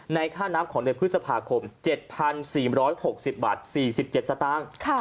ค่าน้ำของเดือนพฤษภาคม๗๔๖๐บาท๔๗สตางค์